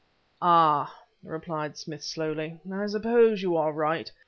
"Ah," replied Smith slowly; "I suppose you are right.